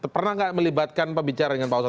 pernah enggak melibatkan pembicaraan dengan pak ustadz